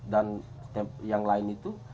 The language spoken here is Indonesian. dan yang lain itu